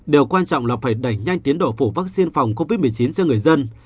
điều quan trọng là phải đẩy nhanh tiến độ phủ vaccine phòng covid một mươi chín cho người dân